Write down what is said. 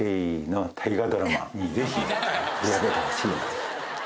ぜひ取り上げてほしい。